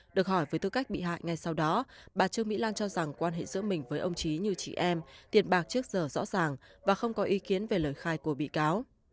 được hỏi với tư cách bị hại ngay sau đó bà trương mỹ lan cho rằng quan hệ giữa mình với ông trí như chị em tiền bạc trước giờ rõ ràng và không có ý kiến về lời khai của bị cáo